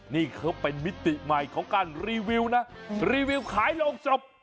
นี่เขาเป็นมิติใหม่ของการรีวิวนะรีวิวขายโรงศพ